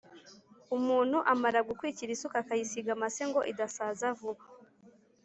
Umuntu amara gukwikira isuka akayisiga amase ngo idasaza vuba,